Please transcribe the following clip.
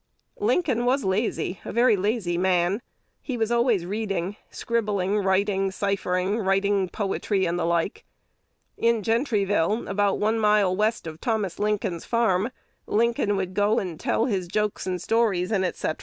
Lincoln was lazy, a very lazy man. He was always reading, scribbling, writing, ciphering, writing poetry, and the like.... In Gentryville, about one mile west of Thomas Lincoln's farm, Lincoln would go and tell his jokes and stories, &c.